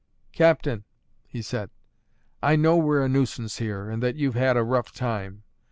"Captain," he said, "I know we're a nuisance here, and that you've had a rough time.